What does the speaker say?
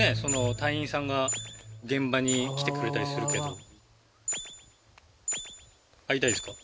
隊員さんが現場に来てくれたりするけど会いたいですか？